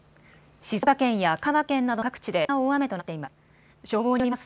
静岡県や神奈川県などの各地で記録的な大雨となっています。